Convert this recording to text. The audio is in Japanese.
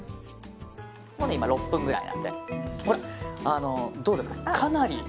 もう今、６分ぐらいやってどうですか？